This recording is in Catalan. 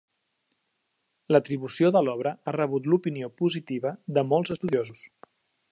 L'atribució de l'obra ha rebut l'opinió positiva de molts estudiosos.